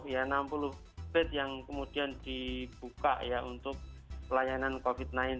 ya enam puluh bed yang kemudian dibuka ya untuk pelayanan covid sembilan belas